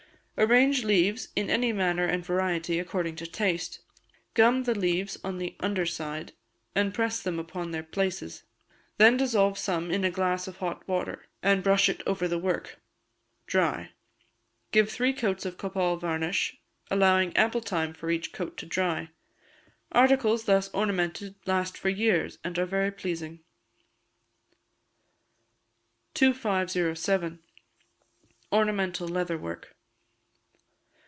Arrange leaves in any manner and variety, according to taste. Gum the leaves on the under side, and press them upon their places. Then dissolve some isinglass in hot water, and brush it over the work. Dry. Give three coats of copal varnish, allowing ample time for each coat to dry. Articles thus ornamented last for years, and are very pleasing. 2507. Ornamental Leather Work.